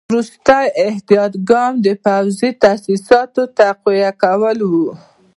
وروستی احتیاطي ګام د پوځي تاسیساتو تقویه کول وو.